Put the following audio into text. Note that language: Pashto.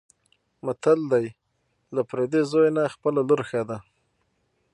متل دی: له پردي زوی نه خپله لور ښه ده.